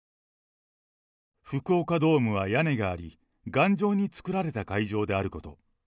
福岡ドームは屋根があり、頑丈に作られた会場であること。